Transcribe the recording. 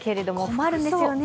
困るんですよね。